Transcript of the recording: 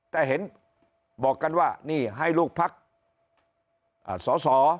แต่เห็นบอกกันว่านี่ให้ลูกพักสอสอ